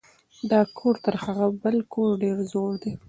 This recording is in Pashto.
دا کور تر هغه بل کور ډېر زوړ دی.